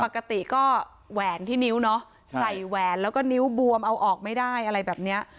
ปกติก็แหวนที่นิ้วเนาะใส่แหวนแล้วก็นิ้วบวมเอาออกไม่ได้อะไรแบบเนี้ย